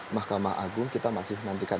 mahkamah agung kita masih nantikan